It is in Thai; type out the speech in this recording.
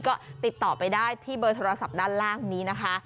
ก็ติดต่อไปได้ที่เบอร์โทรศัพท์ด้านล่างนี้นะคะ